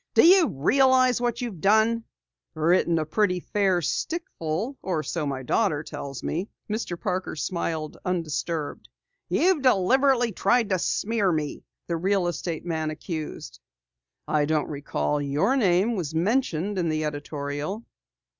Do you realize what you've done?" "Written a pretty fair stickful or so my daughter tells me," Mr. Parker smiled undisturbed. "You've deliberately tried to smear me," the real estate man accused. "I don't recall that your name was mentioned in the editorial."